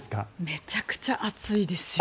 めちゃくちゃ熱いです。